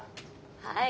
はい。